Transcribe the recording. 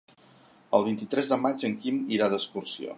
El vint-i-tres de maig en Quim irà d'excursió.